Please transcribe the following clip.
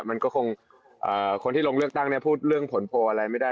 มันก็คงคนที่ลงเลือกตั้งเนี่ยพูดเรื่องผลโพลอะไรไม่ได้